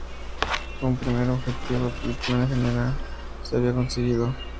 Un primer objetivo del plan general se había conseguido.